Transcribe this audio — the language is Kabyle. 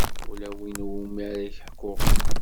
Ula win iwumi ara ḥkuɣ.